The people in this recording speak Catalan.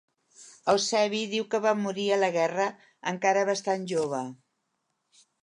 Eusebi diu que va morir a la guerra encara bastant jove.